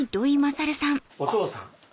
お父さん。